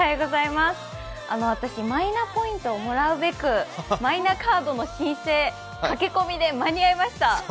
私、マイナポイントをもらうべくマイナカードの申請駆け込みで間に合いました。